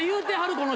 この人。